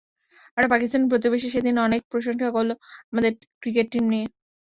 আমার পাকিস্তানি প্রতিবেশী সেদিন অনেক প্রশংসা করল আমাদের ক্রিকেট টিম নিয়ে।